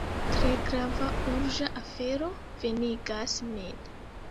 Tre grava, urĝa afero venigas min.